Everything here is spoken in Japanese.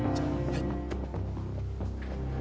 はい。